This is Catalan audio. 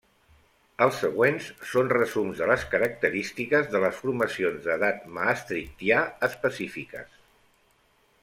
Els següents són resums de les característiques de les formacions d'edat Maastrichtià específiques.